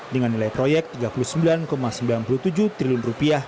dengan nilai proyek rp tiga puluh sembilan sembilan puluh tujuh triliun